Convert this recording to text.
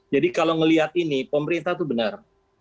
jadi kalau ngelihat ini pemerintah itu benar